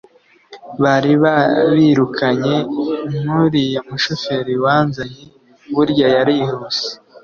bari babirukanye! nka uriya mushoferi wanzanye, burya yarihuse